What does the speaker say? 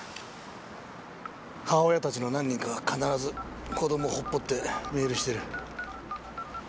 母親たちの何人かは必ず子供を放っぽってメールしてる。